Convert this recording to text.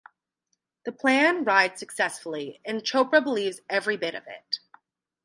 The plan rides successfully, and Chopra believes every bit of it.